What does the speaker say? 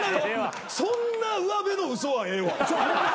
そんなうわべの嘘はええわ。